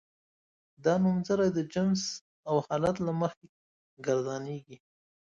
دا نومځري د جنس او حالت له مخې ګردانیږي.